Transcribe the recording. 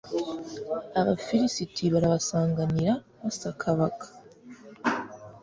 abafilisiti barabasanganira basakabaka